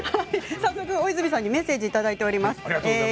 早速、大泉さんにメッセージをいただいています。